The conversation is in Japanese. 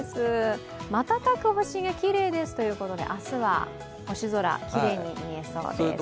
またたく星がきれいですということで明日は星空きれいに見えそうです。